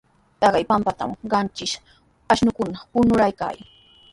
Taqay pampatraw qanchis ashnukuna puñuraykaayan.